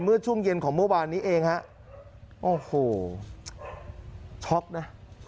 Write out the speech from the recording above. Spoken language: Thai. เมื่อช่วงเย็นของเมื่อวานนี้เองฮะโอ้โหช็อกนะ